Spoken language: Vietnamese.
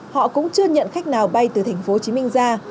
họ cũng chưa nhận khách nào bay từ thành phố hồ chí minh ra